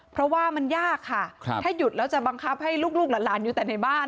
เพราะว่ามันยากค่ะถ้าหยุดแล้วจะบังคับให้ลูกหลานอยู่แต่ในบ้าน